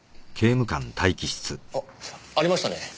あっありましたね。